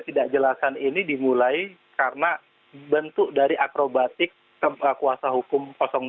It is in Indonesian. tidak jelasan ini dimulai karena bentuk dari akrobatik kuasa hukum dua